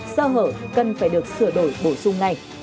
sơ hở cần phải được sửa đổi bổ sung ngay